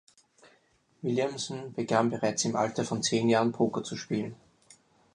Williamson begann bereits im Alter von zehn Jahren Poker zu spielen.